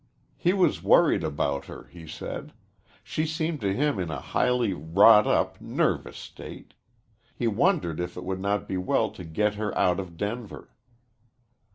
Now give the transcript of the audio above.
He was worried about her, he said. She seemed to him in a highly wrought up, nervous state. He wondered if it would not be well to get her out of Denver.